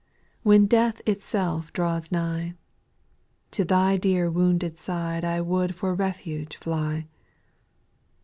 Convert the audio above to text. When death itself draws nigh, To Thy dear wounded side I would for refuge fly.